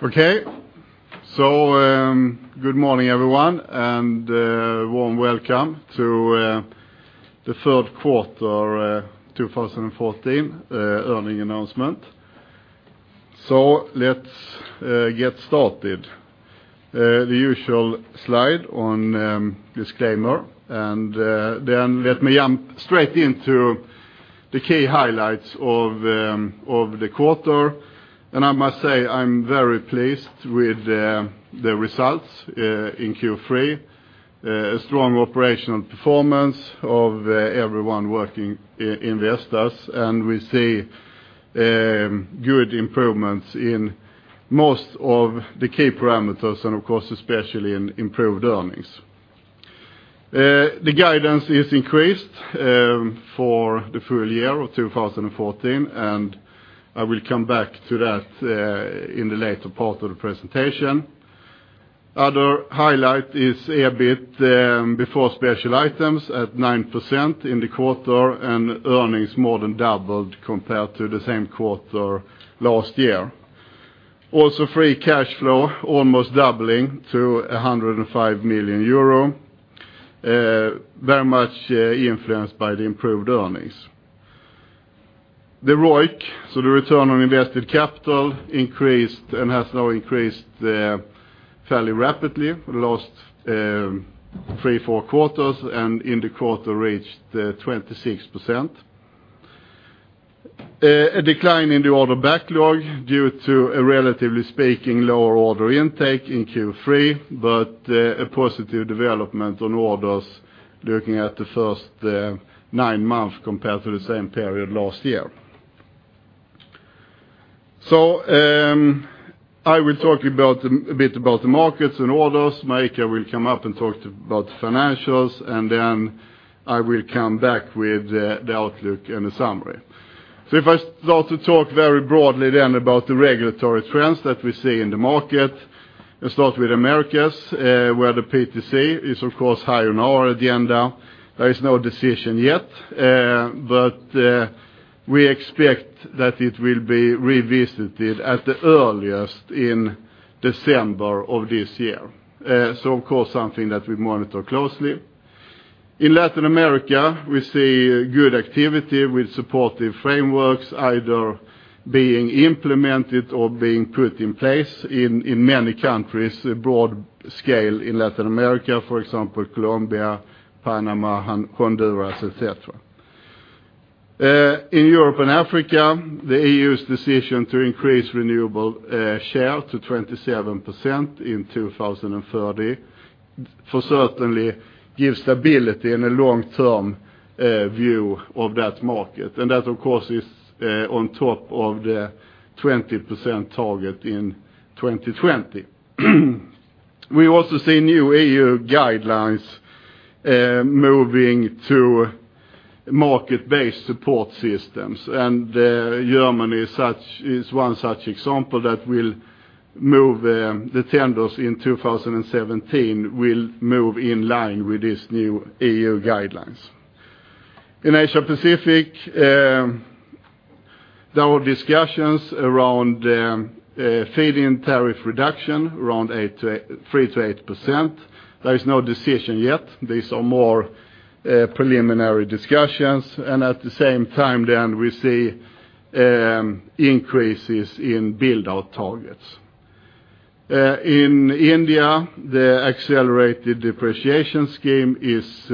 Okay, so good morning everyone and warm welcome to the third quarter 2014 earnings announcement. So let's get started. The usual slide on disclaimer and then let me jump straight into the key highlights of the quarter. And I must say I'm very pleased with the results in Q3, a strong operational performance of everyone working in Vestas and we see good improvements in most of the key parameters and of course especially in improved earnings. The guidance is increased for the full year of 2014 and I will come back to that in the later part of the presentation. Other highlight is EBIT before special items at 9% in the quarter and earnings more than doubled compared to the same quarter last year. Also free cash flow almost doubling to 105 million euro, very much influenced by the improved earnings. The ROIC, so the return on invested capital, increased and has now increased fairly rapidly the last three, four quarters and in the quarter reached 26%. A decline in the order backlog due to a relatively speaking lower order intake in Q3 but a positive development on orders looking at the first nine months compared to the same period last year. So I will talk a bit about the markets and orders, Marika will come up and talk about the financials and then I will come back with the outlook and the summary. So if I start to talk very broadly then about the regulatory trends that we see in the market, I'll start with Americas where the PTC is of course high on our agenda. There is no decision yet but we expect that it will be revisited at the earliest in December of this year. So of course something that we monitor closely. In Latin America we see good activity with supportive frameworks either being implemented or being put in place in many countries broad scale in Latin America for example Colombia, Panama, Honduras, etc. In Europe and Africa the EU's decision to increase renewable share to 27% in 2030 for certainly gives stability in a long-term view of that market and that of course is on top of the 20% target in 2020. We also see new EU guidelines moving to market-based support systems and Germany is one such example that will move the tenders in 2017 will move in line with these new EU guidelines. In Asia Pacific there are discussions around feed-in tariff reduction around 3%-8%. There is no decision yet. These are more preliminary discussions and at the same time then we see increases in build-out targets. In India, the accelerated depreciation scheme is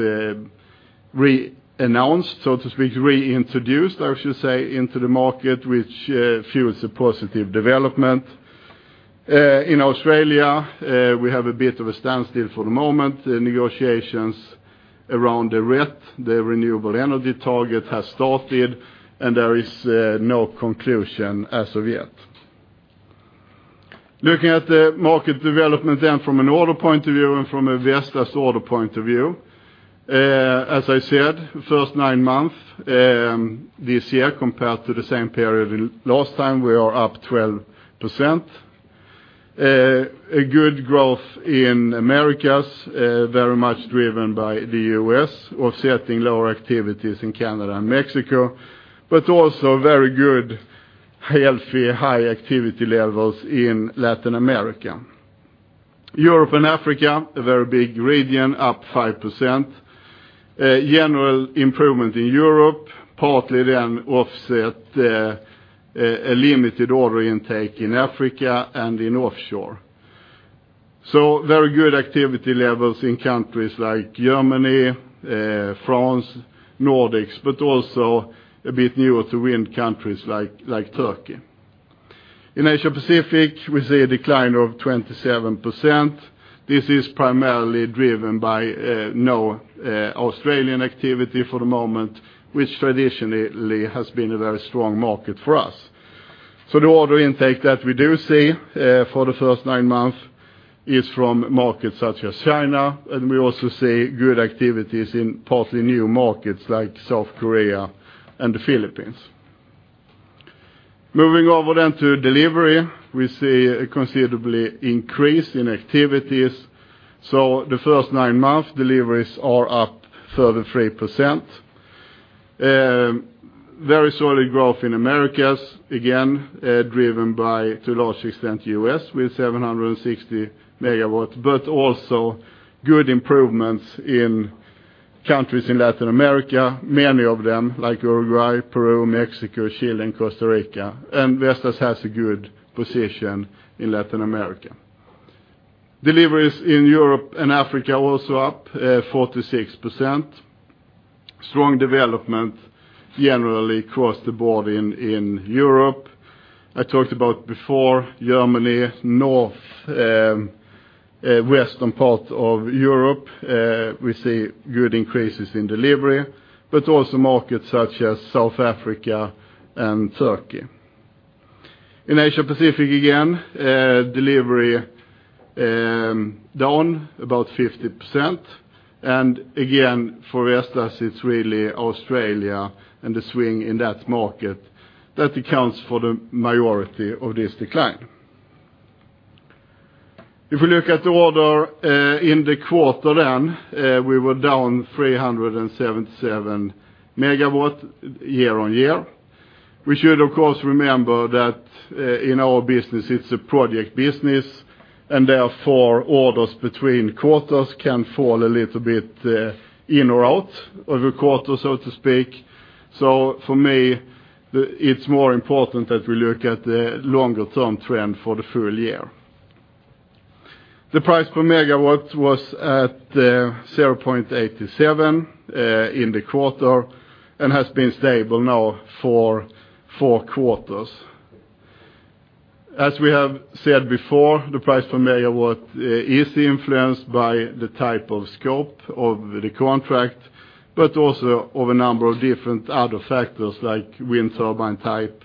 re-announced, so to speak, re-introduced I should say into the market which fuels a positive development. In Australia, we have a bit of a standstill for the moment, negotiations around the RET, the Renewable Energy Target, has started and there is no conclusion as of yet. Looking at the market development then from an order point of view and from a Vestas order point of view, as I said, first nine months this year compared to the same period last time we are up 12%. A good growth in Americas, very much driven by the US offsetting lower activities in Canada and Mexico but also very good, healthy, high activity levels in Latin America. Europe and Africa, a very big gradient, up 5%. General improvement in Europe, partly then offset a limited order intake in Africa and in offshore. So very good activity levels in countries like Germany, France, Nordics but also a bit newer to wind countries like Turkey. In Asia Pacific we see a decline of 27%. This is primarily driven by no Australian activity for the moment which traditionally has been a very strong market for us. So the order intake that we do see for the first nine months is from markets such as China and we also see good activities in partly new markets like South Korea and the Philippines. Moving over then to delivery, we see a considerable increase in activities. So the first nine months deliveries are up further 3%. Very solid growth in Americas, again driven by to a large extent US with 760 MW but also good improvements in countries in Latin America, many of them like Uruguay, Peru, Mexico, Chile, and Costa Rica and Vestas has a good position in Latin America. Deliveries in Europe and Africa also up 46%. Strong development generally across the board in Europe. I talked about before, Germany, north, western part of Europe, we see good increases in delivery but also markets such as South Africa and Turkey. In Asia Pacific again, delivery down about 50% and again for Vestas it's really Australia and the swing in that market that accounts for the majority of this decline. If we look at the order in the quarter then we were down 377 MW year-on-year. We should of course remember that in our business it's a project business and therefore orders between quarters can fall a little bit in or out of the quarter, so to speak. So for me it's more important that we look at the longer-term trend for the full year. The price per megawatt was at 0.87 in the quarter and has been stable now for four quarters. As we have said before, the price per megawatt is influenced by the type of scope of the contract but also of a number of different other factors like wind turbine type,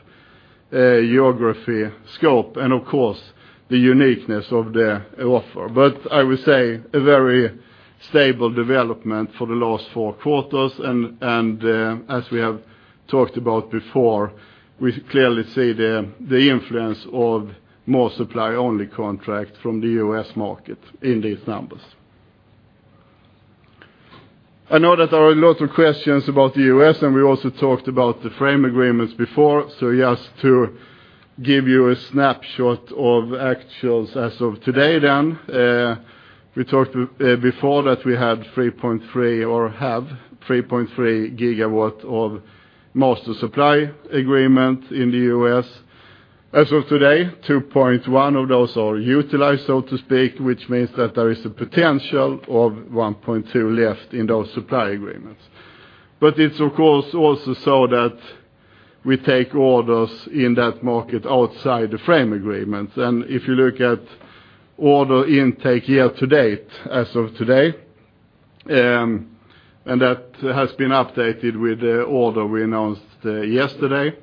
geography, scope, and of course the uniqueness of the offer. But I would say a very stable development for the last four quarters and as we have talked about before we clearly see the influence of more supply-only contract from the U.S. market in these numbers. I know that there are a lot of questions about the U.S. and we also talked about the frame agreements before, so just to give you a snapshot of actuals as of today then. We talked before that we had 3.3 or have 3.3 GW of master supply agreement in the U.S. As of today, 2.1 of those are utilized, so to speak, which means that there is a potential of 1.2 left in those supply agreements. But it's of course also so that we take orders in that market outside the frame agreements and if you look at order intake year to date as of today and that has been updated with the order we announced yesterday,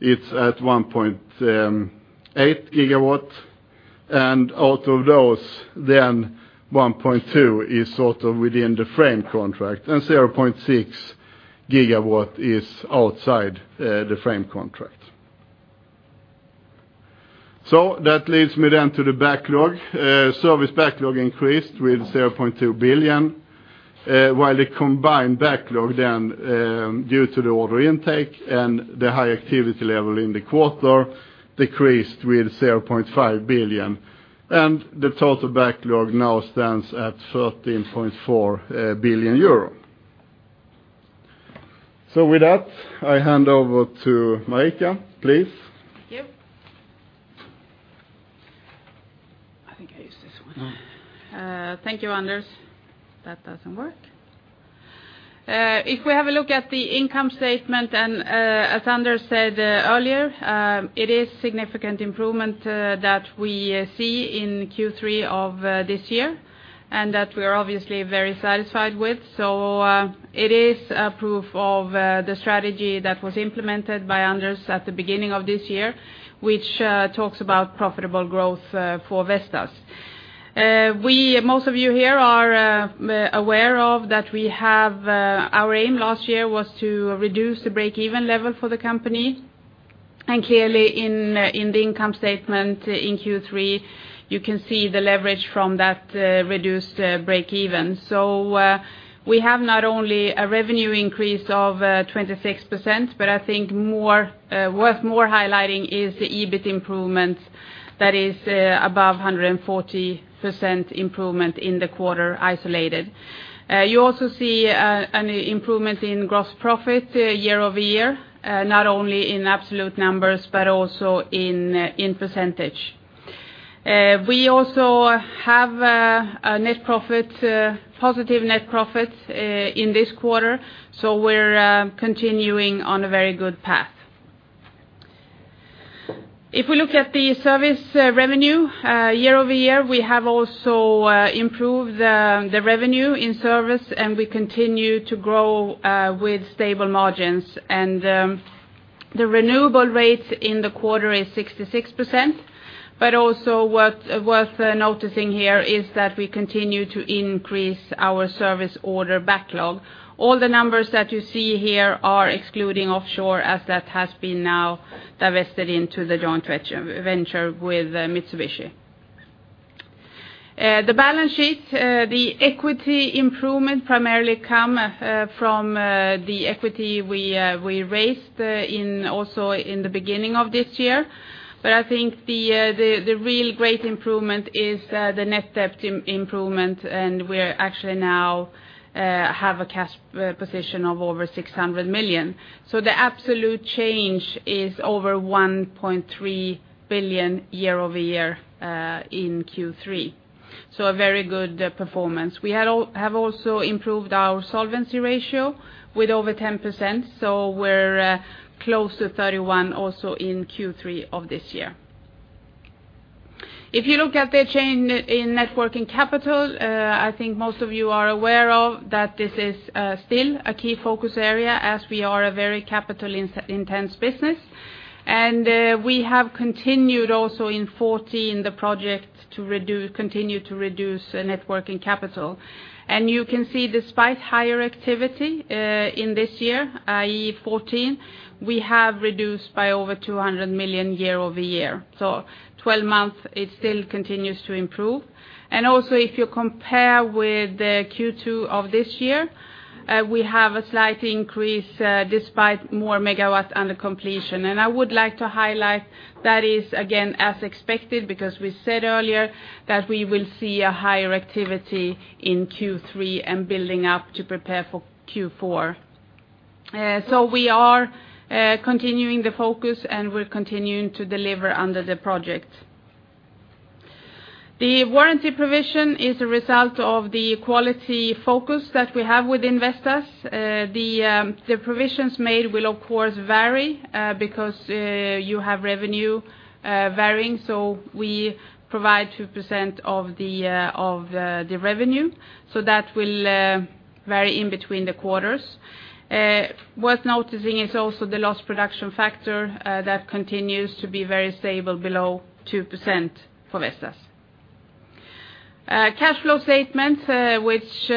it's at 1.8 GW and out of those then 1.2 is sort of within the frame contract and 0.6 GW is outside the frame contract. That leads me then to the backlog. Service backlog increased with 0.2 billion while the combined backlog then due to the order intake and the high activity level in the quarter decreased with 0.5 billion and the total backlog now stands at 13.4 billion euro. With that I hand over to Marika, please. Thank you. I think I used this one. Thank you, Anders. That doesn't work. If we have a look at the income statement and as Anders said earlier, it is significant improvement that we see in Q3 of this year and that we are obviously very satisfied with. So it is proof of the strategy that was implemented by Anders at the beginning of this year which talks about profitable growth for Vestas. Most of you here are aware of that we have our aim last year was to reduce the break-even level for the company and clearly in the income statement in Q3 you can see the leverage from that reduced break-even. So we have not only a revenue increase of 26% but I think worth more highlighting is the EBIT improvement that is above 140% improvement in the quarter isolated. You also see an improvement in gross profit year over year, not only in absolute numbers but also in percentage. We also have a net profit, positive net profit in this quarter so we're continuing on a very good path. If we look at the service revenue, year over year we have also improved the revenue in service and we continue to grow with stable margins and the renewal rate in the quarter is 66% but also worth noticing here is that we continue to increase our service order backlog. All the numbers that you see here are excluding offshore as that has been now divested into the joint venture with Mitsubishi. The balance sheet, the equity improvement primarily come from the equity we raised also in the beginning of this year but I think the real great improvement is the net debt improvement and we actually now have a cash position of over 600 million. So the absolute change is over 1.3 billion year-over-year in Q3. So a very good performance. We have also improved our solvency ratio with over 10% so we're close to 31% also in Q3 of this year. If you look at the change in net working capital, I think most of you are aware of that this is still a key focus area as we are a very capital-intense business and we have continued also in 2014 the project to continue to reduce net working capital and you can see despite higher activity in this year, i.e. 2014, we have reduced by over 200 million year-over-year. So 12 months it still continues to improve and also if you compare with Q2 of this year we have a slight increase despite more megawatts under completion and I would like to highlight that is again as expected because we said earlier that we will see a higher activity in Q3 and building up to prepare for Q4. So we are continuing the focus and we're continuing to deliver under the project. The warranty provision is a result of the quality focus that we have within Vestas. The provisions made will of course vary because you have revenue varying so we provide 2% of the revenue so that will vary in between the quarters. Worth noticing is also the lost production factor that continues to be very stable below 2% for Vestas. Cash flow statement, which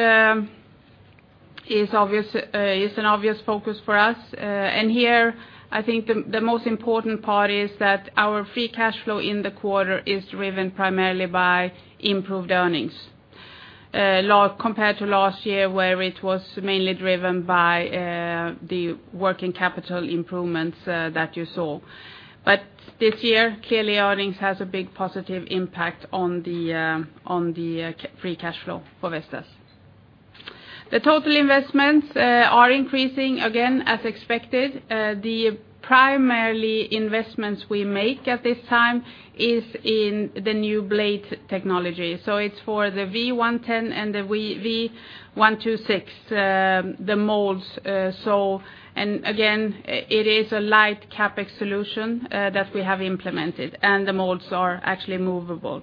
is an obvious focus for us, and here I think the most important part is that our free cash flow in the quarter is driven primarily by improved earnings compared to last year, where it was mainly driven by the working capital improvements that you saw. But this year clearly earnings has a big positive impact on the free cash flow for Vestas. The total investments are increasing again as expected. The primary investments we make at this time is in the new blade technology. So it's for the V110 and the V126, the molds, so and again it is a light CapEx solution that we have implemented and the molds are actually movable.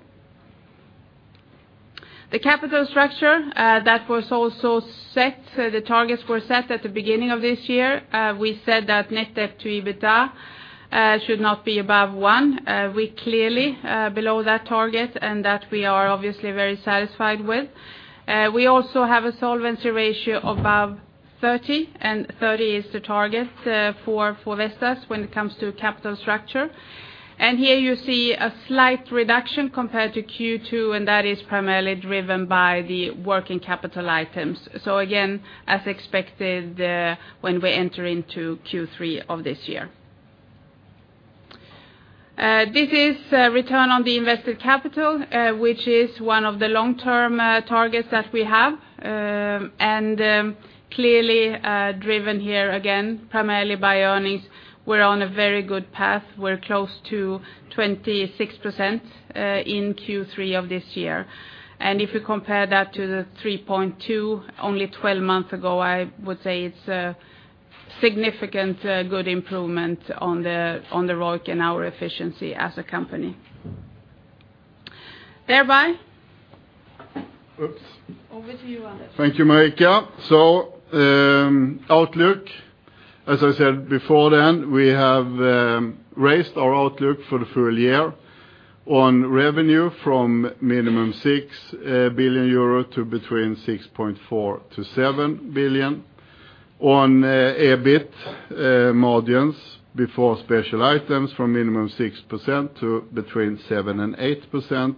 The capital structure that was also set, the targets were set at the beginning of this year. We said that net debt to EBITDA should not be above one. We're clearly below that target and that we are obviously very satisfied with. We also have a solvency ratio above 30, and 30 is the target for Vestas when it comes to capital structure, and here you see a slight reduction compared to Q2, and that is primarily driven by the working capital items. So again, as expected, when we enter into Q3 of this year. This is return on the invested capital, which is one of the long-term targets that we have, and clearly driven here again primarily by earnings. We're on a very good path. We're close to 26% in Q3 of this year, and if we compare that to the 3.2 only 12 months ago, I would say it's a significant good improvement on the ROIC and our efficiency as a company. Thereby. Oops. Over to you, Anders. Thank you, Marika. So outlook, as I said before then we have raised our outlook for the full year on revenue from minimum 6 billion euro to between 6.4 billion-7 billion. On EBIT margins before special items from minimum 6% to between 7%-8%.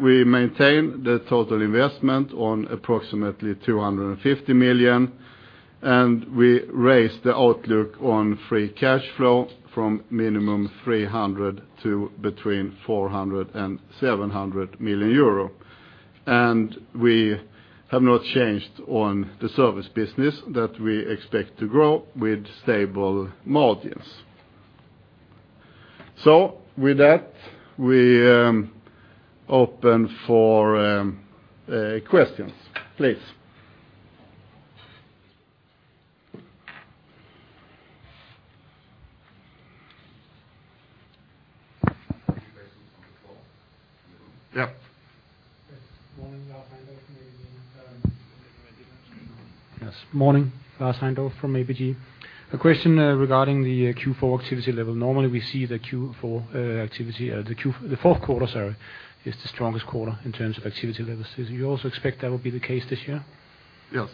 We maintain the total investment on approximately 250 million and we raised the outlook on free cash flow from minimum 300 million to between 400 million and 700 million euro and we have not changed on the service business that we expect to grow with stable margins. So with that we open for questions. Please. Thank you, Anders. On the floor in the room? Yep. Yes. Morning, Lars Heindorff from ABG. Yes. Morning, Lars Heindorff from ABG. A question regarding the Q4 activity level. Normally we see the Q4 activity, the fourth quarter, sorry, is the strongest quarter in terms of activity levels. Do you also expect that will be the case this year? Yes.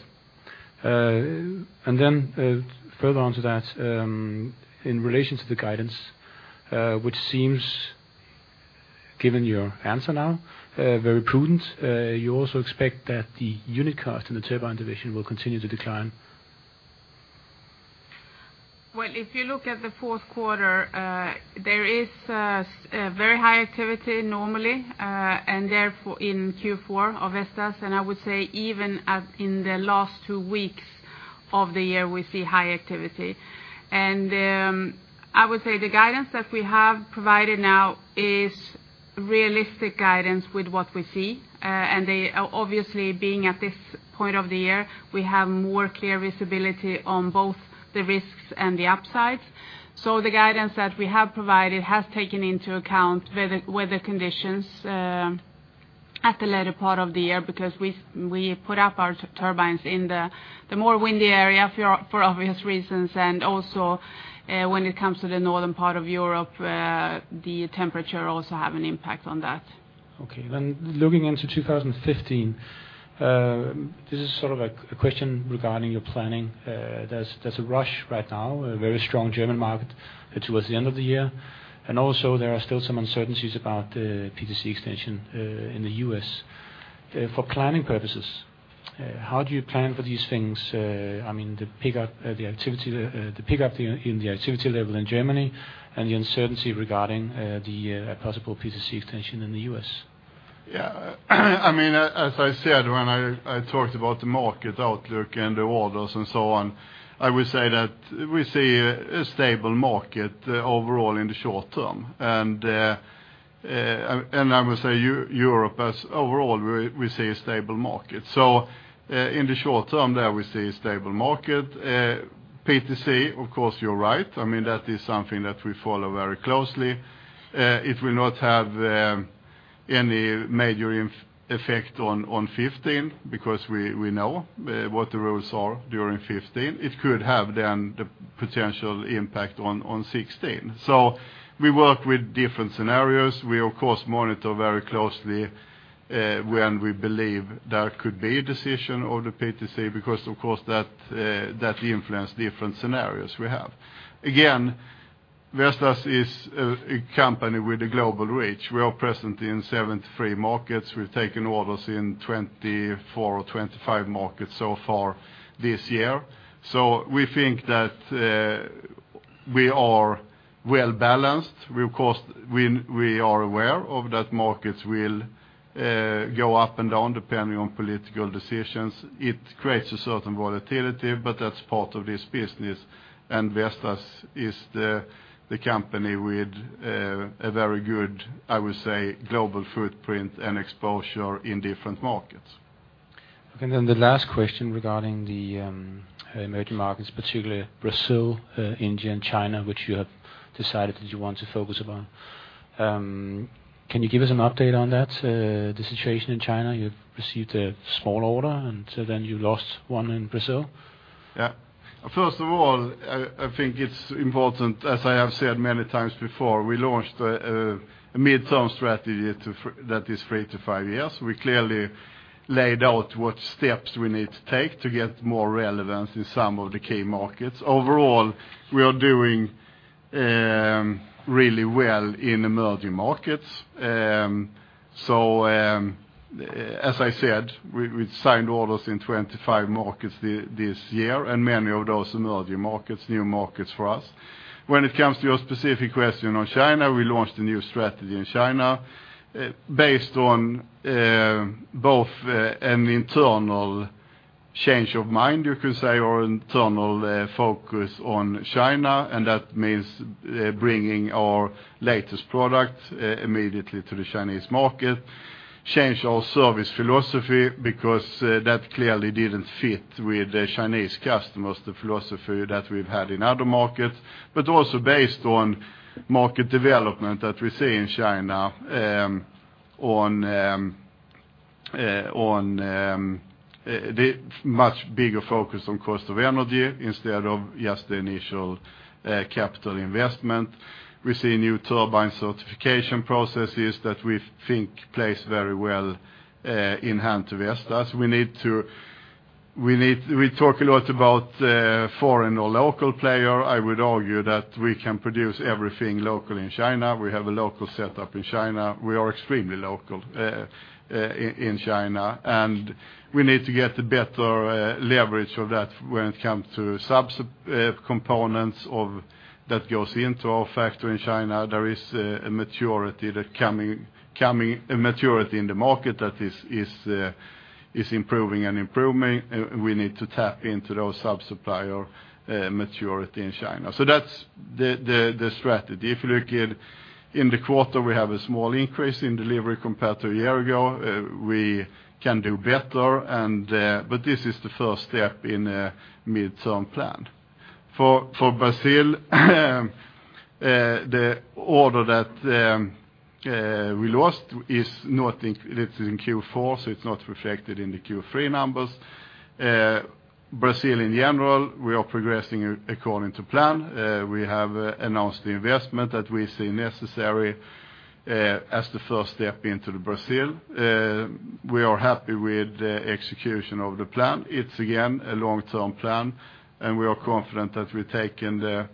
And then, further on to that, in relation to the guidance, which seems, given your answer now, very prudent, you also expect that the unit cost in the turbine division will continue to decline? Well, if you look at the fourth quarter, there is very high activity normally, and therefore in Q4 of Vestas, and I would say even in the last two weeks of the year we see high activity. And I would say the guidance that we have provided now is realistic guidance with what we see, and obviously being at this point of the year we have more clear visibility on both the risks and the upsides. So the guidance that we have provided has taken into account weather conditions at the later part of the year because we put up our turbines in the more windy area for obvious reasons, and also when it comes to the northern part of Europe the temperature also have an impact on that. Okay. Looking into 2015, this is sort of a question regarding your planning. There's a rush right now, a very strong German market towards the end of the year and also there are still some uncertainties about the PTC extension in the U.S. For planning purposes, how do you plan for these things? I mean the pickup in the activity level in Germany and the uncertainty regarding the possible PTC extension in the U.S. Yeah. I mean, as I said when I talked about the market outlook and the orders and so on, I would say that we see a stable market overall in the short term, and I would say Europe as overall we see a stable market. So in the short term there we see a stable market. PTC, of course you're right, I mean that is something that we follow very closely. It will not have any major effect on 2015 because we know what the rules are during 2015. It could have then the potential impact on 2016. So we work with different scenarios. We of course monitor very closely when we believe there could be a decision of the PTC because of course that influences different scenarios we have. Again, Vestas is a company with a global reach. We are present in 73 markets. We've taken orders in 24-25 markets so far this year. We think that we are well balanced. Of course we are aware of that markets will go up and down depending on political decisions. It creates a certain volatility but that's part of this business and Vestas is the company with a very good, I would say, global footprint and exposure in different markets. Okay. Then the last question regarding the emerging markets, particularly Brazil, India, and China which you have decided that you want to focus upon. Can you give us an update on that, the situation in China? You've received a small order and then you lost one in Brazil. Yeah. First of all, I think it's important, as I have said many times before, we launched a mid-term strategy that is 3-5 years. We clearly laid out what steps we need to take to get more relevance in some of the key markets. Overall we are doing really well in emerging markets. So as I said, we signed orders in 25 markets this year and many of those emerging markets, new markets for us. When it comes to your specific question on China, we launched a new strategy in China based on both an internal change of mind, you could say, or internal focus on China, and that means bringing our latest product immediately to the Chinese market, changed our service philosophy because that clearly didn't fit with Chinese customers, the philosophy that we've had in other markets, but also based on market development that we see in China on the much bigger focus on cost of energy instead of just the initial capital investment. We see new turbine certification processes that we think place very well in hand to Vestas. We talk a lot about foreign or local players. I would argue that we can produce everything locally in China. We have a local setup in China. We are extremely local in China and we need to get a better leverage of that when it comes to subcomponents that goes into our factory in China. There is a maturity that's coming, a maturity in the market that is improving and improving. We need to tap into those subsupplier maturity in China. So that's the strategy. If you look at in the quarter we have a small increase in delivery compared to a year ago. We can do better but this is the first step in a mid-term plan. For Brazil, the order that we lost is not, it's in Q4 so it's not reflected in the Q3 numbers. Brazil in general, we are progressing according to plan. We have announced the investment that we see necessary as the first step into Brazil. We are happy with the execution of the plan. It's again a long-term plan and we are confident that we've taken the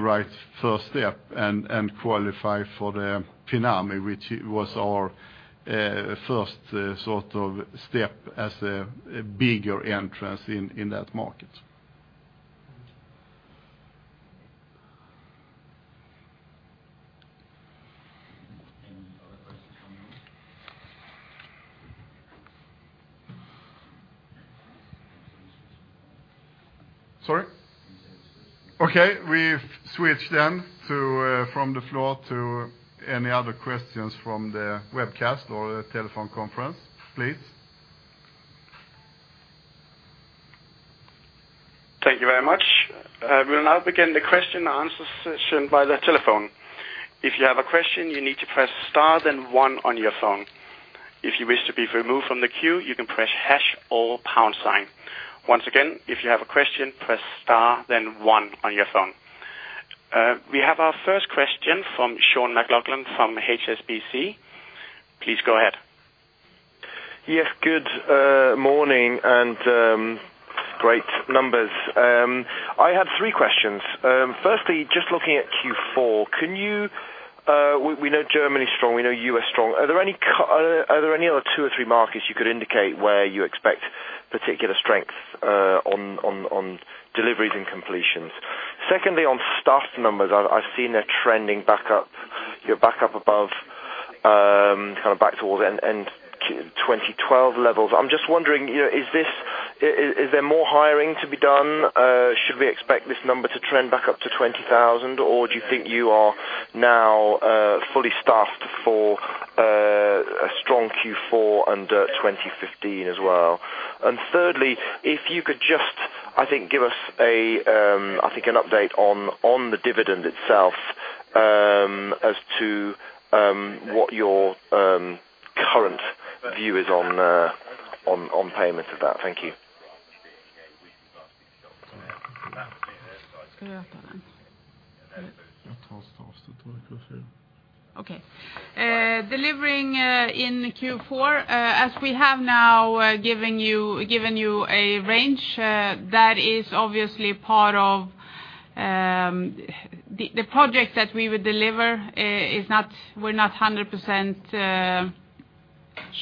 right first step and qualify for the FINAME which was our first sort of step as a bigger entrance in that market. Any other questions from the room? Sorry? Okay. We've switched then from the floor to any other questions from the webcast or telephone conference. Please. Thank you very much. We will now begin the question and answer session by the telephone. If you have a question you need to press star then one on your phone. If you wish to be removed from the queue you can press # or pound sign. Once again, if you have a question press star then one on your phone. We have our first question from Sean McLoughlin from HSBC. Please go ahead. Yes. Good morning and great numbers. I had three questions. Firstly, just looking at Q4, can you, we know Germany's strong, we know U.S. strong, are there any other two or three markets you could indicate where you expect particular strength on deliveries and completions? Secondly, on staff numbers, I've seen they're trending back up, you're back up above, kind of back towards end 2012 levels. I'm just wondering, is there more hiring to be done? Should we expect this number to trend back up to 20,000 or do you think you are now fully staffed for a strong Q4 under 2015 as well? And thirdly, if you could just, I think, give us a, I think, an update on the dividend itself as to what your current view is on payments of that. Thank you. Okay. Delivering in Q4, as we have now given you a range that is obviously part of the project that we would deliver, we're not 100%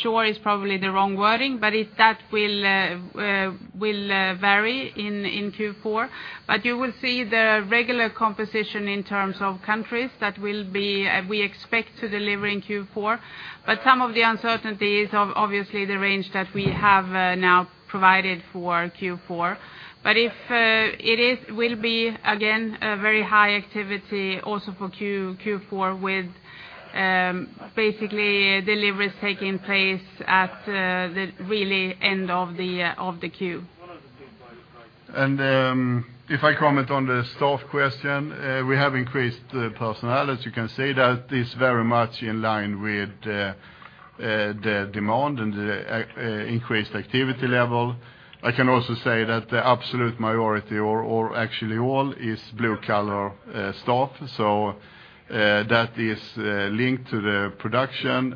sure is probably the wrong wording but that will vary in Q4. But you will see the regular composition in terms of countries that will be we expect to deliver in Q4 but some of the uncertainties are obviously the range that we have now provided for Q4. But it will be, again, very high activity also for Q4 with basically deliveries taking place at the really end of the queue. If I comment on the staff question, we have increased the personnel. As you can see that is very much in line with the demand and the increased activity level. I can also say that the absolute majority or actually all is blue-collar staff so that is linked to the production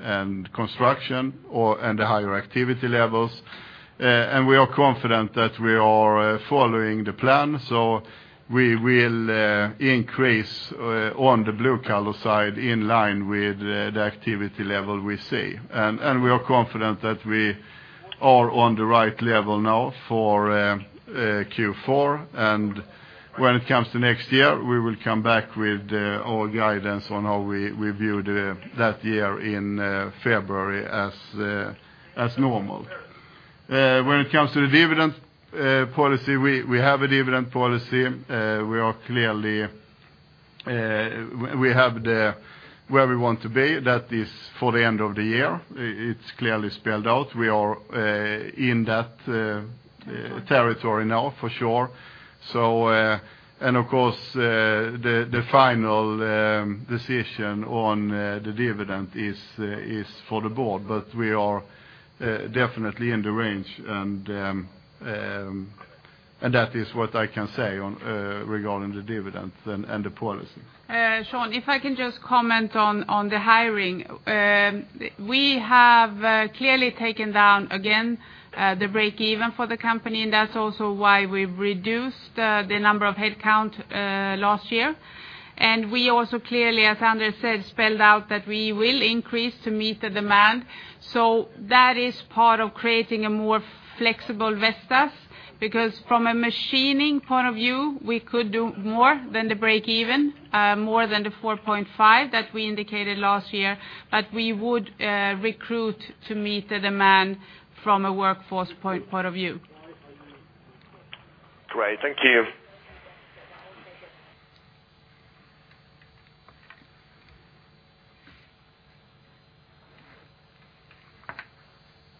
and construction and the higher activity levels. We are confident that we are following the plan so we will increase on the blue-collar side in line with the activity level we see. We are confident that we are on the right level now for Q4 and when it comes to next year we will come back with our guidance on how we view that year in February as normal. When it comes to the dividend policy, we have a dividend policy. We are clearly where we want to be, that is for the end of the year. It's clearly spelled out. We are in that territory now for sure. Of course, the final decision on the dividend is for the board, but we are definitely in the range, and that is what I can say regarding the dividend and the policy. Sean, if I can just comment on the hiring. We have clearly taken down, again, the break-even for the company and that's also why we've reduced the number of headcount last year. We also clearly, as Anders said, spelled out that we will increase to meet the demand. That is part of creating a more flexible Vestas because from a machining point of view we could do more than the break-even, more than the 4.5 that we indicated last year but we would recruit to meet the demand from a workforce point of view. Great. Thank you.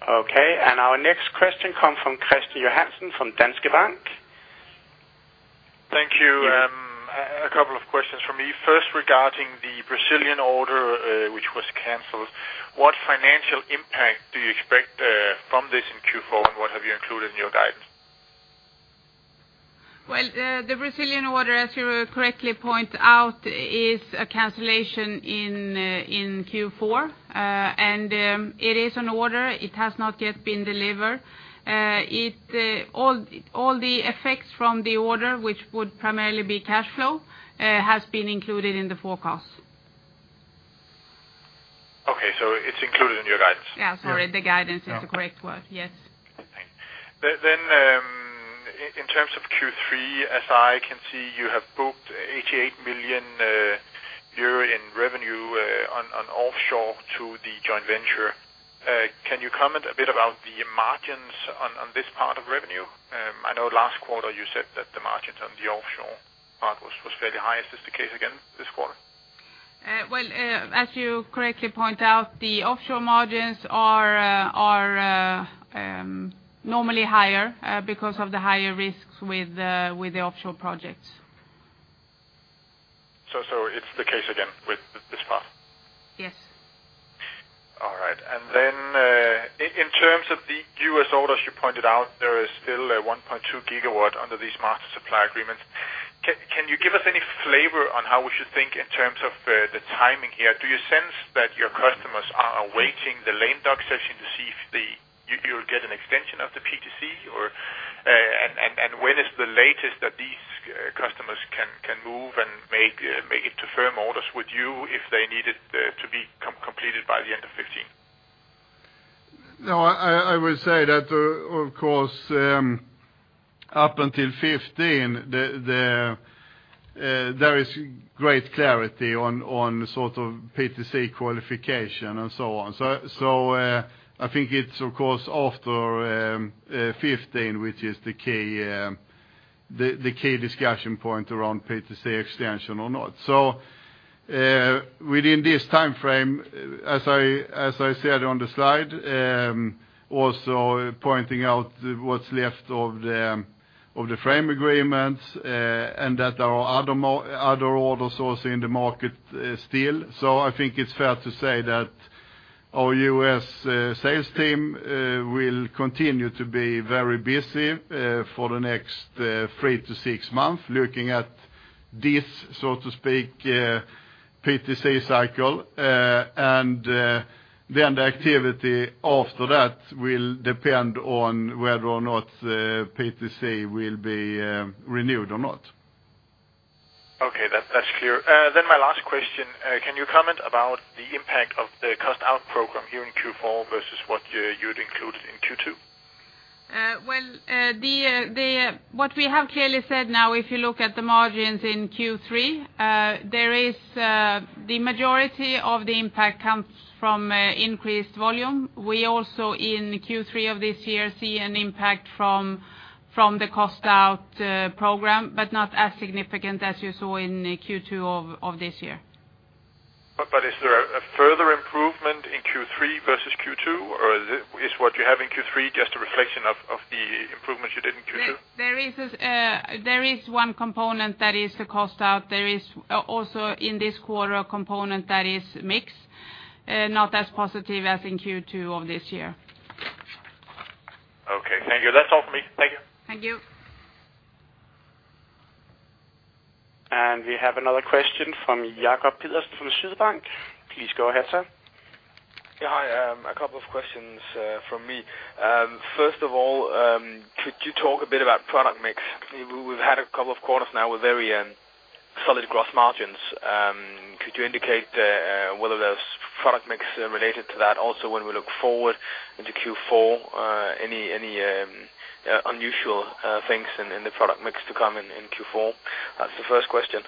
Okay. And our next question comes from Kristian Johansen from Danske Bank. Thank you. A couple of questions from me. First, regarding the Brazilian order which was cancelled, what financial impact do you expect from this in Q4 and what have you included in your guidance? Well, the Brazilian order, as you correctly point out, is a cancellation in Q4, and it is an order. It has not yet been delivered. All the effects from the order which would primarily be cash flow has been included in the forecast. Okay. It's included in your guidance? Yeah. Sorry. The guidance is the correct word. Yes. Thanks. Then in terms of Q3, as I can see, you have booked 88 million euro in revenue on offshore to the joint venture. Can you comment a bit about the margins on this part of revenue? I know last quarter you said that the margins on the offshore part was fairly high. Is this the case again this quarter? Well, as you correctly point out, the offshore margins are normally higher because of the higher risks with the offshore projects. It's the case again with this part? Yes. All right. Then in terms of the U.S. orders you pointed out, there is still a 1.2 GW under these master supply agreements. Can you give us any flavor on how we should think in terms of the timing here? Do you sense that your customers are awaiting the lame duck session to see if you'll get an extension of the PTC or and when is the latest that these customers can move and make it to firm orders with you if they need it to be completed by the end of 2015? No. I would say that of course up until 2015 there is great clarity on sort of PTC qualification and so on. So I think it's of course after 2015 which is the key discussion point around PTC extension or not. So within this timeframe, as I said on the slide, also pointing out what's left of the frame agreements and that there are other orders also in the market still. So I think it's fair to say that our U.S. sales team will continue to be very busy for the next 3-6 months looking at this, so to speak, PTC cycle and then the activity after that will depend on whether or not PTC will be renewed or not. Okay. That's clear. Then my last question, can you comment about the impact of the cost out program here in Q4 versus what you'd included in Q2? Well, what we have clearly said now, if you look at the margins in Q3, there is the majority of the impact comes from increased volume. We also in Q3 of this year see an impact from the cost out program but not as significant as you saw in Q2 of this year. Is there a further improvement in Q3 versus Q2 or is what you have in Q3 just a reflection of the improvements you did in Q2? There is one component that is the cost out. There is also in this quarter a component that is mixed, not as positive as in Q2 of this year. Okay. Thank you. That's all from me. Thank you. Thank you. We have another question from Jacob Pedersen from Sydbank. Please go ahead, sir. Yeah. Hi. A couple of questions from me. First of all, could you talk a bit about product mix? We've had a couple of quarters now with very solid gross margins. Could you indicate whether there's product mix related to that also when we look forward into Q4, any unusual things in the product mix to come in Q4? That's the first question.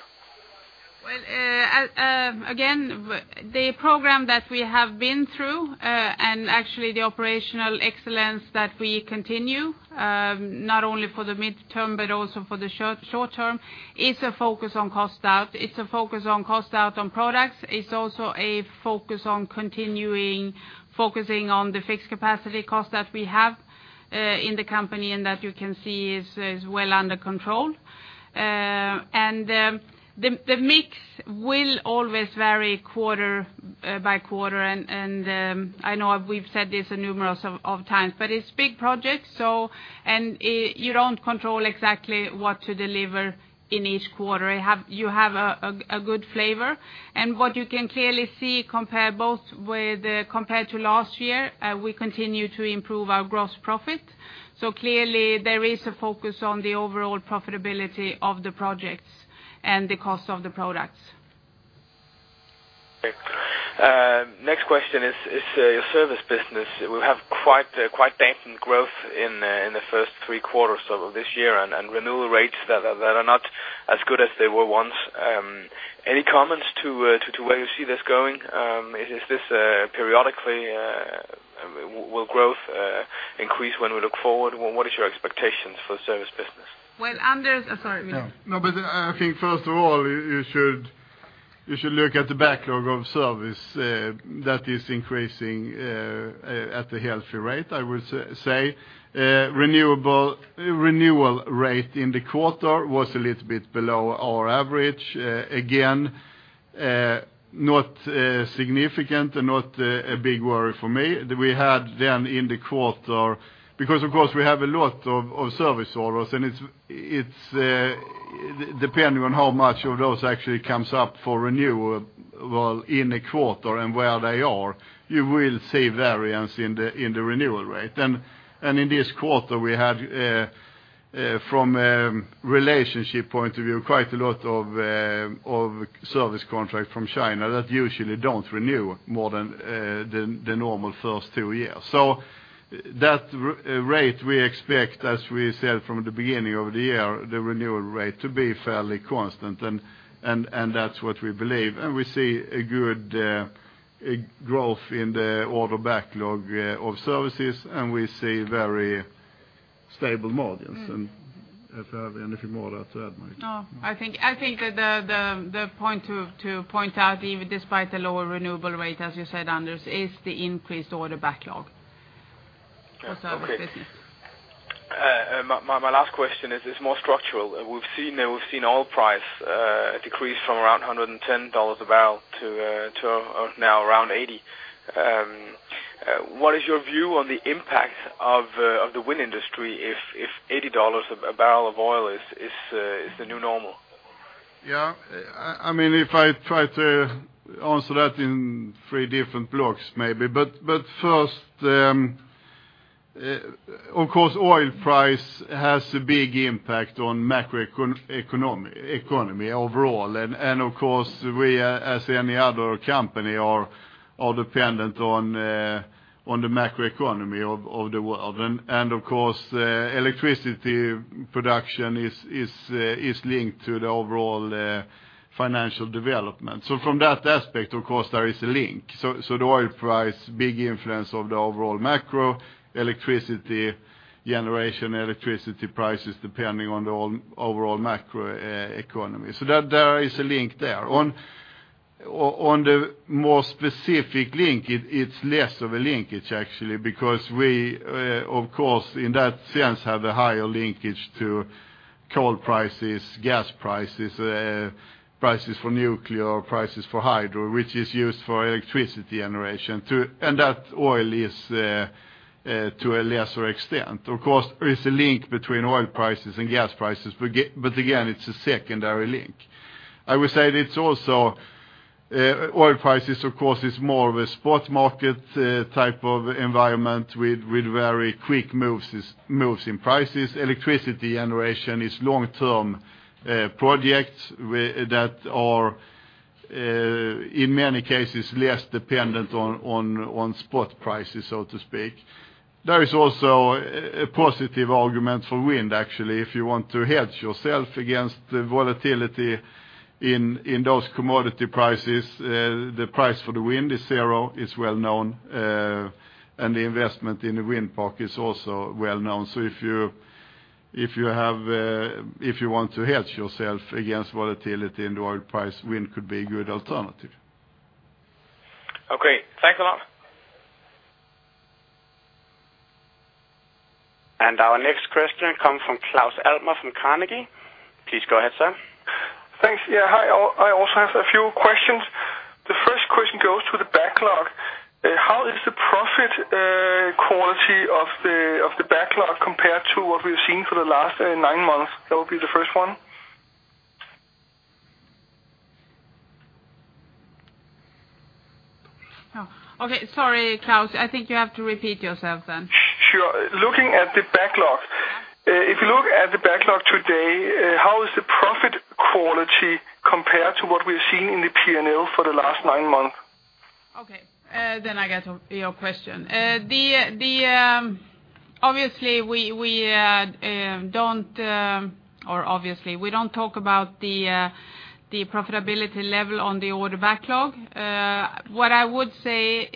Well, again, the program that we have been through and actually the operational excellence that we continue, not only for the mid-term but also for the short-term, is a focus on cost out. It's a focus on cost out on products. It's also a focus on continuing, focusing on the fixed capacity cost that we have in the company and that you can see is well under control. The mix will always vary quarter by quarter and I know we've said this numerous of times but it's big projects and you don't control exactly what to deliver in each quarter. You have a good flavor and what you can clearly see compared to last year, we continue to improve our gross profit. Clearly there is a focus on the overall profitability of the projects and the cost of the products. Okay. Next question is your service business. We have quite dampened growth in the first three quarters of this year and renewal rates that are not as good as they were once. Any comments to where you see this going? Is this periodically will growth increase when we look forward? What is your expectations for service business? Well, Anders, sorry. No. No. But I think first of all you should look at the backlog of service that is increasing at a healthy rate, I would say. Renewal rate in the quarter was a little bit below our average. Again, not significant and not a big worry for me. We had then in the quarter because of course we have a lot of service orders and it's depending on how much of those actually comes up for renewal in a quarter and where they are, you will see variance in the renewal rate. And in this quarter we had, from a relationship point of view, quite a lot of service contract from China that usually don't renew more than the normal first two years. So that rate we expect, as we said from the beginning of the year, the renewal rate to be fairly constant and that's what we believe. We see a good growth in the order backlog of services and we see very stable margins. If I have anything more there to add, Mike? No. I think that the point to point out, even despite the lower renewal rate, as you said, Anders, is the increased order backlog for service business. Okay. My last question is more structural. We've seen oil price decrease from around $110 a barrel to now around $80. What is your view on the impact of the wind industry if $80 a barrel of oil is the new normal? Yeah. I mean, if I try to answer that in three different blocks maybe. But first, of course, oil price has a big impact on macroeconomy overall and of course we, as any other company, are dependent on the macroeconomy of the world. And of course, electricity production is linked to the overall financial development. So from that aspect, of course, there is a link. So the oil price, big influence of the overall macro, electricity generation, electricity prices depending on the overall macroeconomy. So there is a link there. On the more specific link, it's less of a linkage actually because we, of course, in that sense have a higher linkage to coal prices, gas prices, prices for nuclear, prices for hydro which is used for electricity generation and that oil is to a lesser extent. Of course, there is a link between oil prices and gas prices but again, it's a secondary link. I would say that it's also oil prices, of course, is more of a spot market type of environment with very quick moves in prices. Electricity generation is long-term projects that are, in many cases, less dependent on spot prices, so to speak. There is also a positive argument for wind actually if you want to hedge yourself against volatility in those commodity prices. The price for the wind is zero. It's well known and the investment in the wind park is also well known. So if you want to hedge yourself against volatility in the oil price, wind could be a good alternative. Okay. Thanks a lot. Our next question comes from Claus Almer from Carnegie. Please go ahead, sir. Thanks. Yeah. Hi. I also have a few questions. The first question goes to the backlog. How is the profit quality of the backlog compared to what we've seen for the last nine months? That would be the first one. Okay. Sorry, Klaus. I think you have to repeat yourself then. Sure. Looking at the backlog, if you look at the backlog today, how is the profit quality compared to what we've seen in the P&L for the last nine months? Okay. Then I get your question. Obviously, we don't talk about the profitability level on the order backlog. What I would say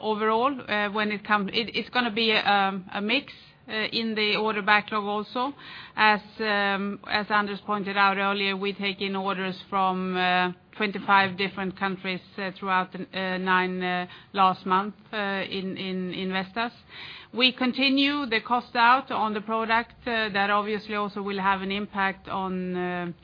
overall when it comes it's going to be a mix in the order backlog also. As Anders pointed out earlier, we take in orders from 25 different countries throughout the last nine months in Vestas. We continue the cost out on the product. That obviously also will have an impact on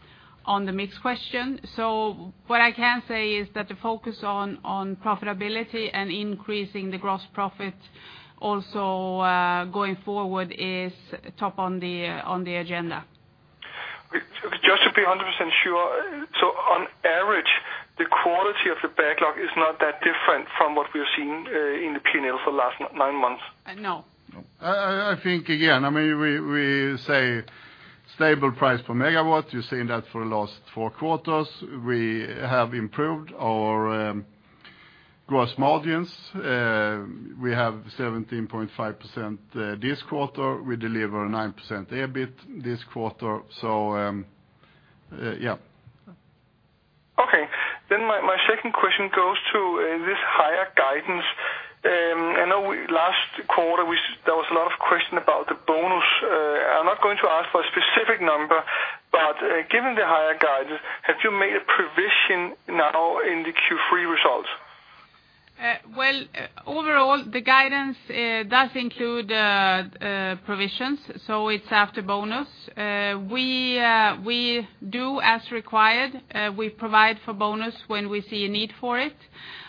the mix question. So what I can say is that the focus on profitability and increasing the gross profit also going forward is top on the agenda. Just to be 100% sure, so on average, the quality of the backlog is not that different from what we've seen in the P&L for the last nine months? No. No. I think again, I mean, we say stable price per megawatt. You've seen that for the last four quarters. We have improved our gross margins. We have 17.5% this quarter. We deliver 9% EBIT this quarter. So yeah. Okay. My second question goes to this higher guidance. I know last quarter there was a lot of question about the bonus. I'm not going to ask for a specific number but given the higher guidance, have you made a provision now in the Q3 results? Well, overall, the guidance does include provisions so it's after bonus. We do as required. We provide for bonus when we see a need for it.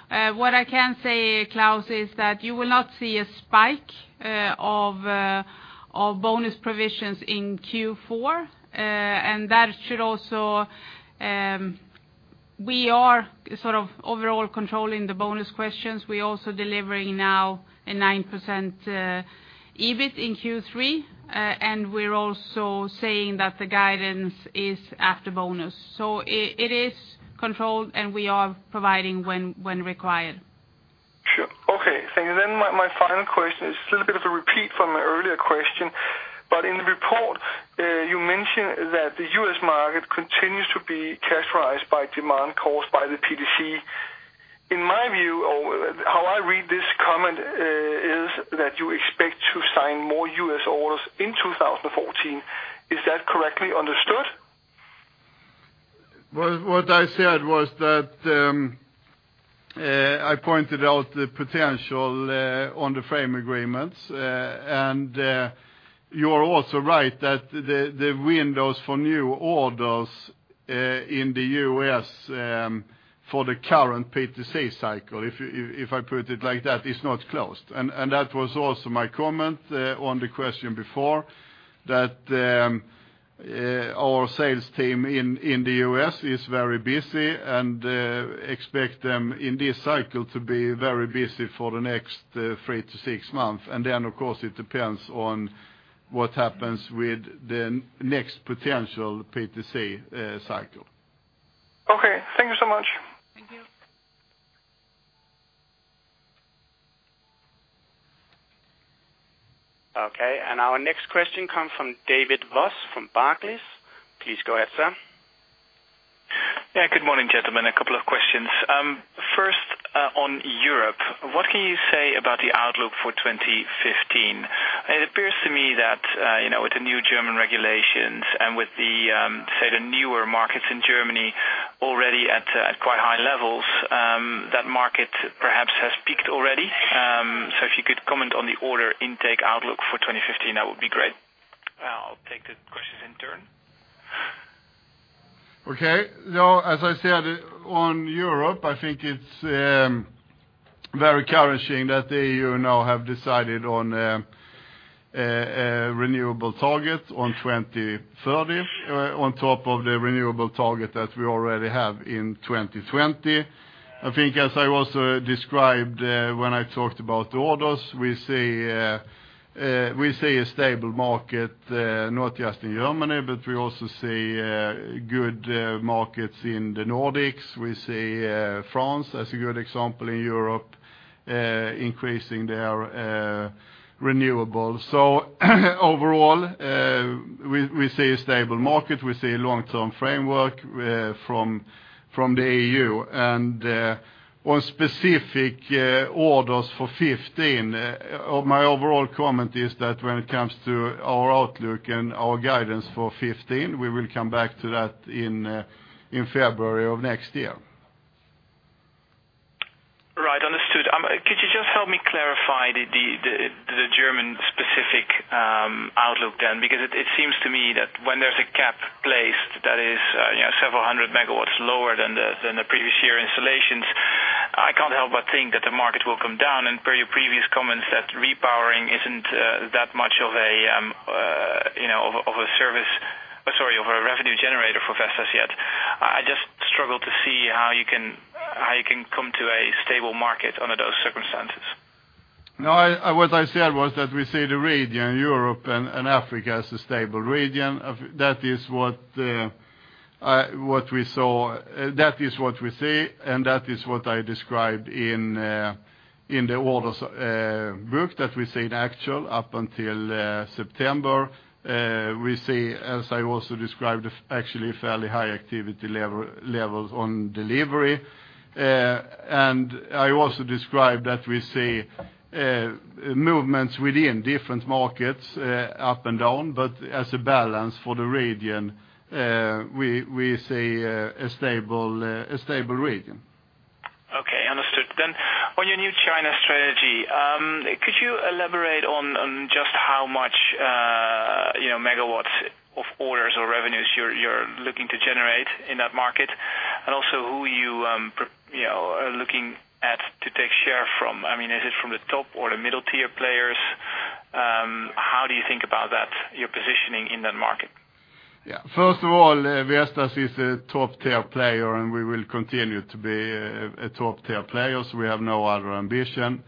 What I can say, Claus, is that you will not see a spike of bonus provisions in Q4 and that should also we are sort of overall controlling the bonus questions. We're also delivering now a 9% EBIT in Q3 and we're also saying that the guidance is after bonus. So it is controlled and we are providing when required. Sure. Okay. Thank you. Then my final question is just a little bit of a repeat from my earlier question but in the report, you mention that the U.S. market continues to be cash-priced by demand caused by the PTC. In my view or how I read this comment is that you expect to sign more U.S. orders in 2014. Is that correctly understood? What I said was that I pointed out the potential on the frame agreements and you're also right that the windows for new orders in the U.S. for the current PTC cycle, if I put it like that, is not closed. That was also my comment on the question before that our sales team in the U.S. is very busy and expect them in this cycle to be very busy for the next 3-6 months. Then, of course, it depends on what happens with the next potential PTC cycle. Okay. Thank you so much. Thank you. Okay. And our next question comes from David Vos from Barclays. Please go ahead, sir. Yeah. Good morning, gentlemen. A couple of questions. First, on Europe, what can you say about the outlook for 2015? It appears to me that with the new German regulations and with the, say, the newer markets in Germany already at quite high levels, that market perhaps has peaked already. So if you could comment on the order intake outlook for 2015, that would be great. I'll take the questions in turn. Okay. No. As I said, on Europe, I think it's very encouraging that the EU now have decided on renewable targets on 2030 on top of the renewable target that we already have in 2020. I think, as I also described when I talked about the orders, we see a stable market not just in Germany but we also see good markets in the Nordics. We see France as a good example in Europe increasing their renewables. So overall, we see a stable market. We see a long-term framework from the EU. And on specific orders for 2015, my overall comment is that when it comes to our outlook and our guidance for 2015, we will come back to that in February of next year. Right. Understood. Could you just help me clarify the German-specific outlook then? Because it seems to me that when there's a cap placed that is several hundred megawatts lower than the previous year installations, I can't help but think that the market will come down. And per your previous comments, that repowering isn't that much of a service, sorry, of a revenue generator for Vestas yet. I just struggle to see how you can come to a stable market under those circumstances. No. What I said was that we see the region, Europe and Africa, as a stable region. That is what we saw, that is what we see, and that is what I described in the orders book that we see in actual up until September. We see, as I also described, actually fairly high activity levels on delivery. I also described that we see movements within different markets up and down, but as a balance for the region, we see a stable region. Okay. Understood. Then on your new China strategy, could you elaborate on just how much megawatts of orders or revenues you're looking to generate in that market and also who you are looking at to take share from? I mean, is it from the top or the middle-tier players? How do you think about that, your positioning in that market? Yeah. First of all, Vestas is a top-tier player and we will continue to be a top-tier player. So we have no other ambition.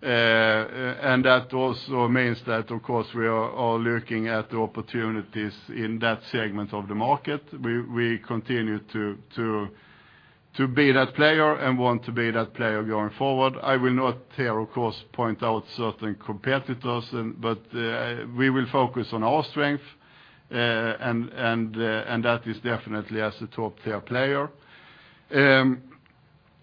And that also means that, of course, we are looking at the opportunities in that segment of the market. We continue to be that player and want to be that player going forward. I will not here, of course, point out certain competitors but we will focus on our strength and that is definitely as a top-tier player.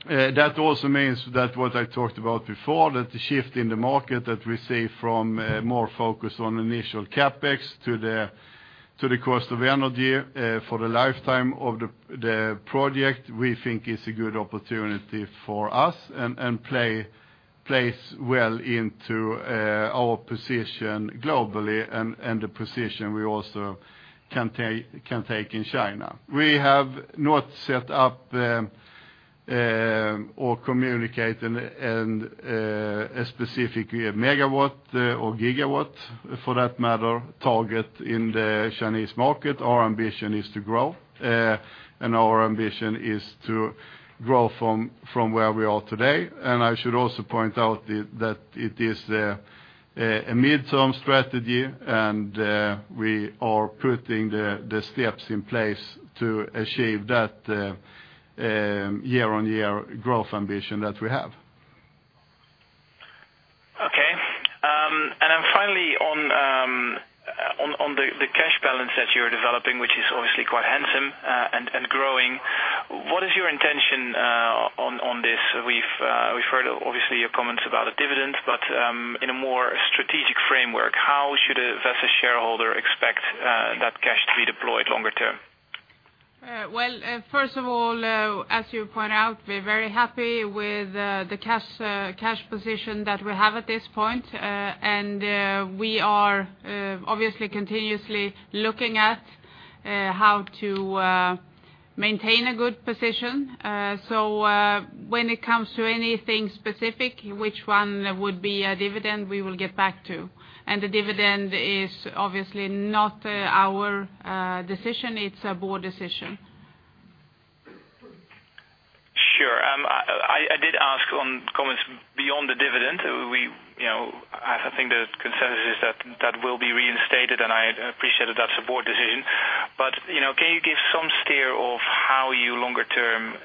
That also means that what I talked about before, that the shift in the market that we see from more focus on initial CapEx to the cost of energy for the lifetime of the project, we think is a good opportunity for us and plays well into our position globally and the position we also can take in China. We have not set up or communicated a specific megawatt or gigawatt, for that matter, target in the Chinese market. Our ambition is to grow and our ambition is to grow from where we are today. I should also point out that it is a mid-term strategy and we are putting the steps in place to achieve that year-on-year growth ambition that we have. Okay. Finally, on the cash balance that you're developing which is obviously quite handsome and growing, what is your intention on this? We've heard, obviously, your comments about a dividend but in a more strategic framework, how should a Vestas shareholder expect that cash to be deployed longer term? Well, first of all, as you point out, we're very happy with the cash position that we have at this point and we are obviously continuously looking at how to maintain a good position. So when it comes to anything specific, which one would be a dividend, we will get back to. The dividend is obviously not our decision. It's a board decision. Sure. I did ask on comments beyond the dividend. I think the consensus is that that will be reinstated and I appreciated that's a board decision. But can you give some steer of how you longer term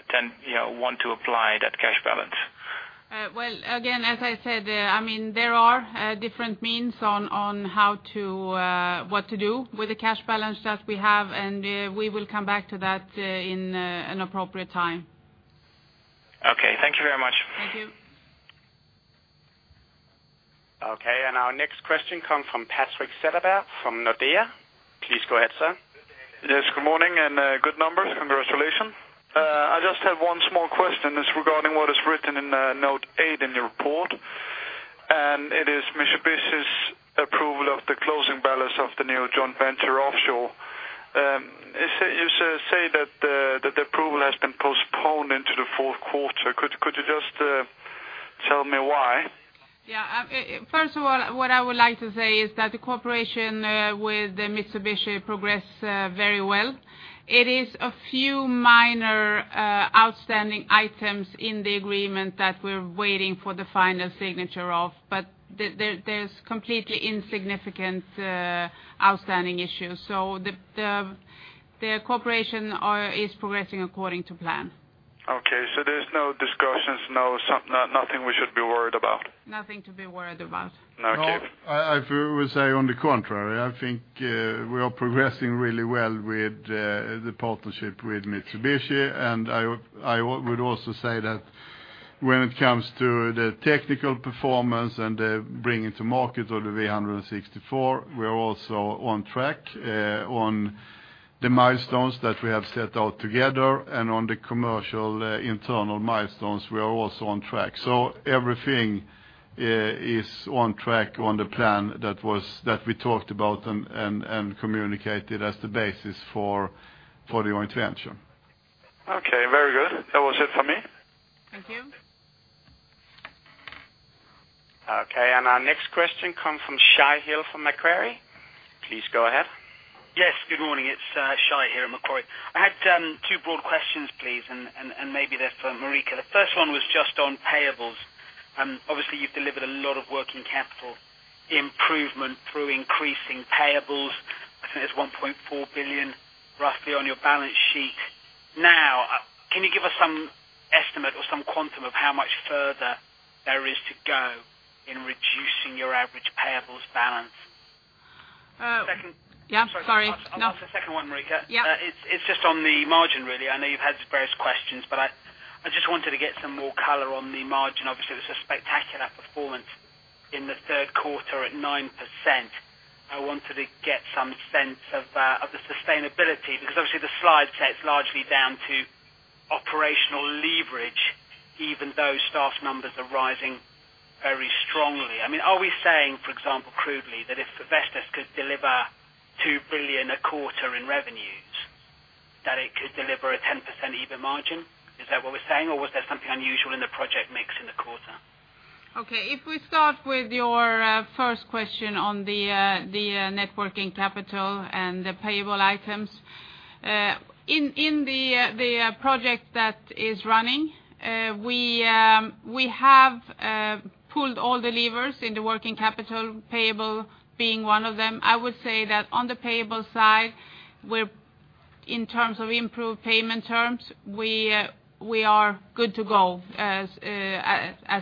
want to apply that cash balance? Well, again, as I said, I mean, there are different means on what to do with the cash balance that we have and we will come back to that in an appropriate time. Okay. Thank you very much. Thank you. Okay. Our next question comes from Patrik Setterberg from Nordea. Please go ahead, sir. Yes. Good morning and good numbers. Congratulations. I just have one small question. It's regarding what is written in note 8 in your report and it is Mitsubishi's approval of the closing balance of the new joint venture offshore. You say that the approval has been postponed into the fourth quarter. Could you just tell me why? Yeah. First of all, what I would like to say is that the cooperation with Mitsubishi progressed very well. It is a few minor outstanding items in the agreement that we're waiting for the final signature of, but there's completely insignificant outstanding issues. So the cooperation is progressing according to plan. Okay. So there's no discussions, nothing we should be worried about? Nothing to be worried about. No. I would say on the contrary. I think we are progressing really well with the partnership with Mitsubishi and I would also say that when it comes to the technical performance and the bringing to market of the V164, we are also on track on the milestones that we have set out together and on the commercial internal milestones, we are also on track. So everything is on track on the plan that we talked about and communicated as the basis for the joint venture. Okay. Very good. That was it for me. Thank you. Okay. And our next question comes from Shai Hill from Macquarie. Please go ahead. Yes. Good morning. It's Shai Hill at Macquarie. I had two broad questions, please, and maybe they're for Marika. The first one was just on payables. Obviously, you've delivered a lot of working capital improvement through increasing payables. I think it's 1.4 billion roughly on your balance sheet. Now, can you give us some estimate or some quantum of how much further there is to go in reducing your average payables balance? Yeah. Sorry. Ask the second one, Marika. It's just on the margin, really. I know you've had various questions but I just wanted to get some more color on the margin. Obviously, it was a spectacular performance in the third quarter at 9%. I wanted to get some sense of the sustainability because, obviously, the slide says largely down to operational leverage even though staff numbers are rising very strongly. I mean, are we saying, for example, crudely, that if Vestas could deliver 2 billion a quarter in revenues, that it could deliver a 10% EBIT margin? Is that what we're saying or was there something unusual in the project mix in the quarter? Okay. If we start with your first question on the net working capital and the payable items, in the project that is running, we have pulled all the levers in the working capital, payable being one of them. I would say that on the payable side, in terms of improved payment terms, we are good to go as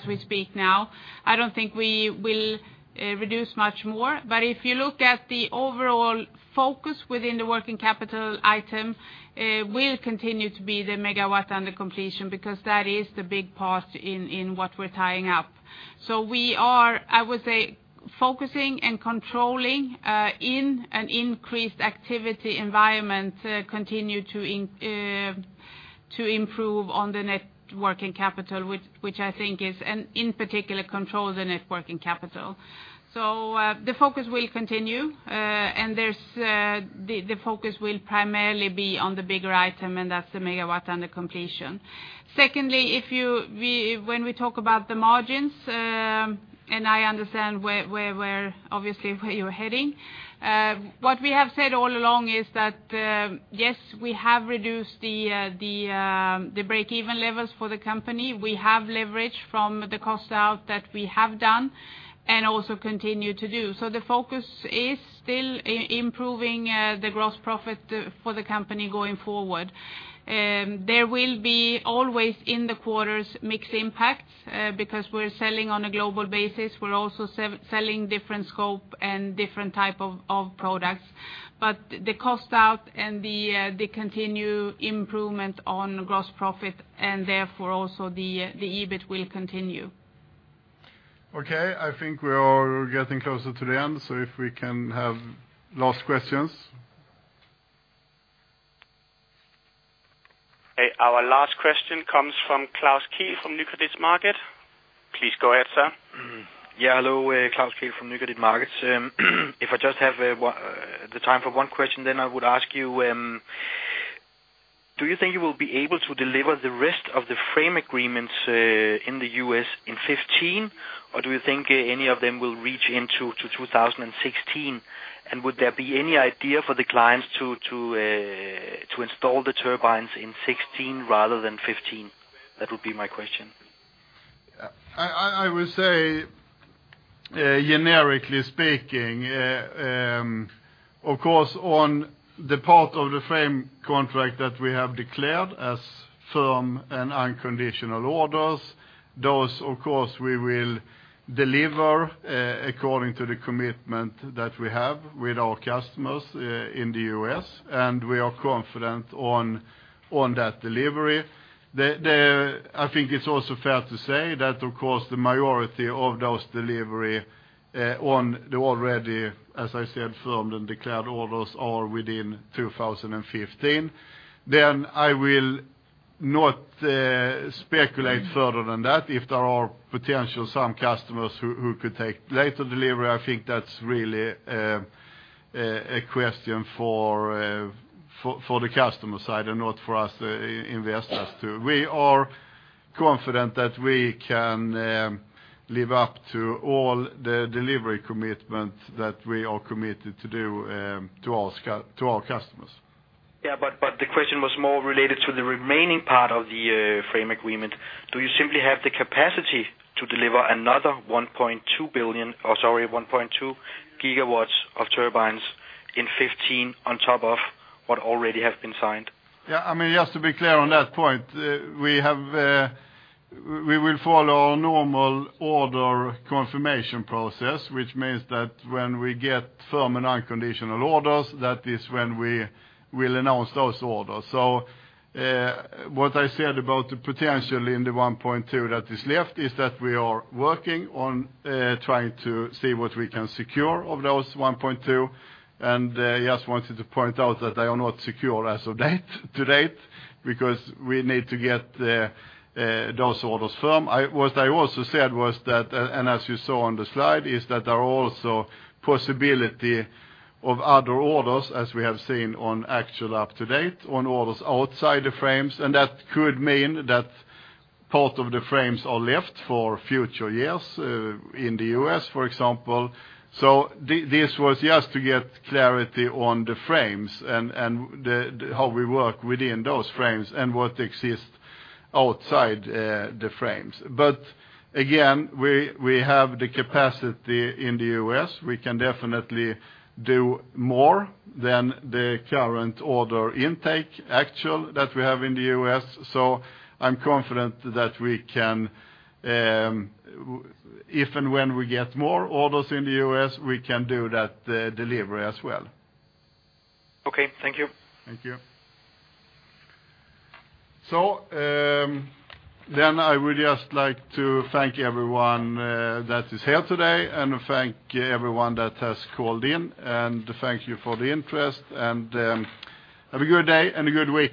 we speak now. I don't think we will reduce much more but if you look at the overall focus within the working capital item, it will continue to be the megawatt under completion because that is the big part in what we're tying up. So we are, I would say, focusing and controlling in an increased activity environment continue to improve on the net working capital, which I think is, and in particular, control the net working capital. So the focus will continue and the focus will primarily be on the bigger item and that's the megawatt under completion. Secondly, when we talk about the margins and I understand, obviously, where you're heading, what we have said all along is that, yes, we have reduced the breakeven levels for the company. We have leveraged from the cost out that we have done and also continue to do. So the focus is still improving the gross profit for the company going forward. There will be always in the quarters mixed impacts because we're selling on a global basis. We're also selling different scope and different type of products but the cost out and the continued improvement on gross profit and therefore also the EBIT will continue. Okay. I think we are getting closer to the end, so if we can have last questions. Our last question comes from Klaus Kehl from Nykredit Markets. Please go ahead, sir. Yeah. Hello. Klaus Kehl from Nykredit Markets. If I just have the time for one question, then I would ask you, do you think you will be able to deliver the rest of the frame agreements in the US in 2015 or do you think any of them will reach into 2016? And would there be any idea for the clients to install the turbines in 2016 rather than 2015? That would be my question. I would say, generically speaking, of course, on the part of the frame contract that we have declared as firm and unconditional orders, those, of course, we will deliver according to the commitment that we have with our customers in the U.S. and we are confident on that delivery. I think it's also fair to say that, of course, the majority of those delivery on the already, as I said, firmed and declared orders are within 2015. Then I will not speculate further than that. If there are potential some customers who could take later delivery, I think that's really a question for the customer side and not for us in Vestas too. We are confident that we can live up to all the delivery commitment that we are committed to do to our customers. Yeah. But the question was more related to the remaining part of the frame agreement. Do you simply have the capacity to deliver another 1.2 billion or, sorry, 1.2 gigawatts of turbines in 2015 on top of what already has been signed? Yeah. I mean, yes, to be clear on that point, we will follow our normal order confirmation process which means that when we get firm and unconditional orders, that is when we will announce those orders. So what I said about the potential in the 1.2 that is left is that we are working on trying to see what we can secure of those 1.2 and I just wanted to point out that they are not secure as of today because we need to get those orders firm. What I also said was that, and as you saw on the slide, is that there are also possibility of other orders as we have seen on actual up-to-date on orders outside the frames and that could mean that part of the frames are left for future years in the U.S., for example. So this was just to get clarity on the frames and how we work within those frames and what exists outside the frames. But again, we have the capacity in the U.S. We can definitely do more than the current order intake, actually, that we have in the U.S. So I'm confident that if and when we get more orders in the U.S., we can do that delivery as well. Okay. Thank you. Thank you. So then I would just like to thank everyone that is here today and thank everyone that has called in and thank you for the interest and have a good day and a good week.